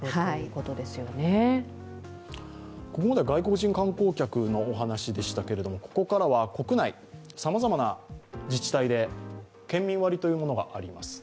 ここまでは外国人観光客のお話でしたけれどもここからは国内、さまざまな自治体で県民割というものがあります。